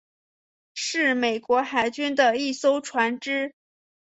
是美国海军的一艘船只。